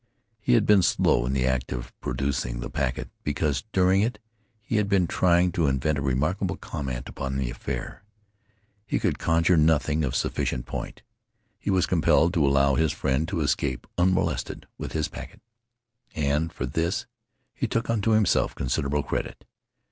He had been slow in the act of producing the packet because during it he had been trying to invent a remarkable comment upon the affair. He could conjure nothing of sufficient point. He was compelled to allow his friend to escape unmolested with his packet. And for this he took unto himself considerable credit.